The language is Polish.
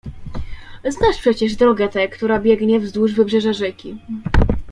"Znasz przecież drogę tę, która biegnie wzdłuż wybrzeża rzeki."